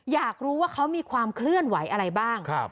อยากรู้ว่าเขามีความเคลื่อนไหวอะไรบ้าง